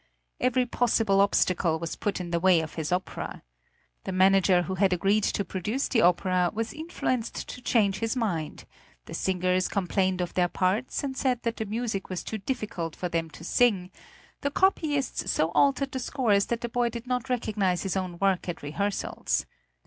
Every possible obstacle was put in the way of his opera. The manager who had agreed to produce the opera was influenced to change his mind, the singers complained of their parts, and said that the music was too difficult for them to sing, the copyists so altered the scores that the boy did not recognize his own work at rehearsals.